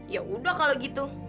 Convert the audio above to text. yaudah kalau gitu